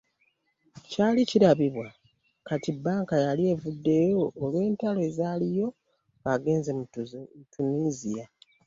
Kyali kirabibwa kati banka yali evuddeyo olw’entalo ezaaliyo, ng’egenze mu Tunisia.